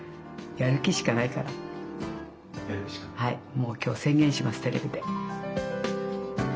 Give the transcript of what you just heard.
もう今日宣言しますテレビで。